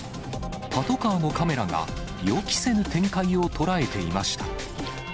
パトカーのカメラが予期せぬ展開を捉えていました。